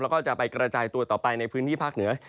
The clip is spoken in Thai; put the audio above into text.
แล้วก็จะไปกระจายตัวต่อไปในพื้นที่ภาคเหนือ